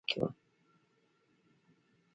د اسکندر کلا په کندهار کې وه